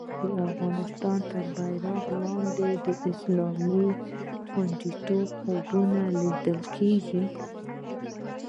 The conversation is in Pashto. د افغانستان تر بېرغ لاندې د اسلام د خوندیتوب خوبونه لیدل کېږي.